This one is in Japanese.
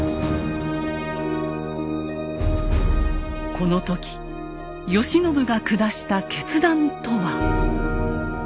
この時慶喜が下した決断とは。